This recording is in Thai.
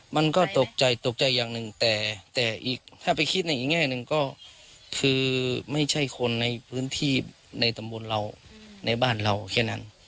มันก็ตกใจตกใจอย่างหนึ่งแต่อีกถ้าไปคิดในอีกแง่หนึ่งก็คือไม่ใช่คนในพื้นที่ในตำบลเราในบ้านเราแค่นั้น